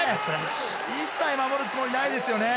一切守るつもりないですよね。